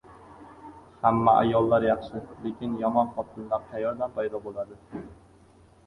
• Hamma ayollar yaxshi. Lekin yomon xotinlar qayerdan paydo bo‘ladi?